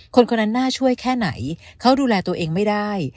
คนคนนั้นน่าช่วยแค่ไหนเขาดูแลตัวเองไม่ได้